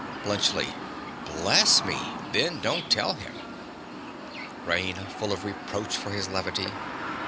BLUNTSCHLI. Bless me! then don't tell him. RAINA. (full of reproach for his levity).